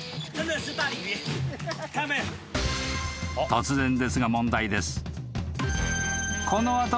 ［突然ですが問題です］